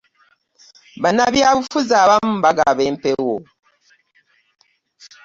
Bannabyabufuzi abamu bagaba empewo.